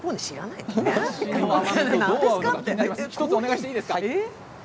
１つお願いしていいですか？